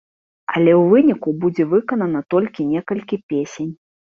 Але ў выніку будзе выканана толькі некалькі песень.